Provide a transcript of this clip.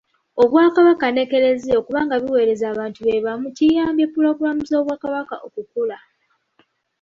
Obwakabaka n’Eklezia okuba nga biweereza abantu be bamu kiyambye pulogulaamu z’Obwakabaka okukula.